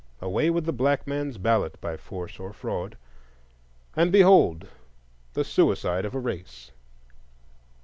Away with the black man's ballot, by force or fraud,—and behold the suicide of a race!